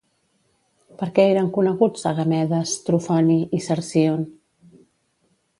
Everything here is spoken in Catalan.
Per què eren coneguts Agamedes, Trofoni i Cercíon?